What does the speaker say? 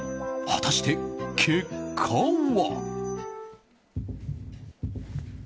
果たして、結果は。